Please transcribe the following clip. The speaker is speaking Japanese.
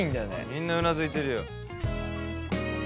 みんなうなずいてるよ。